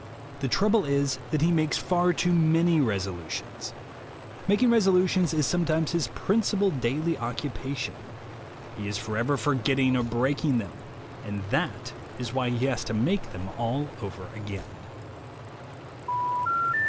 The trouble is that he makes far too many resolutions. Making resolutions is sometimes his principal daily occu pation. He is forever forgetting or breaking them, and that is why he has to make them all over again.